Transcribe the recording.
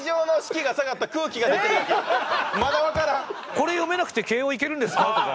「これ読めなくて慶應行けるんですか？」とか。